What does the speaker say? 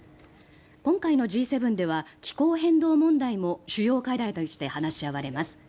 今回のＧ７では気候変動問題も主要課題として話し合われます。